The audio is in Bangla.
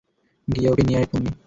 গিয়ে ওকে নিয়ে আয় পোন্নি।